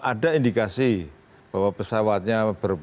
ada indikasi bahwa pesawatnya